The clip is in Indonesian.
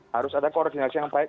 harus ada koordinasi yang baik